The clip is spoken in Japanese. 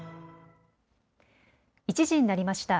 １時になりました。